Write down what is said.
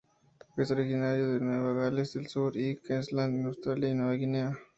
Es originario de Nueva Gales del Sur y Queensland en Australia, y Nueva Guinea.